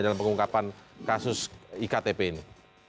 dalam pengungkapan kasus iktp ini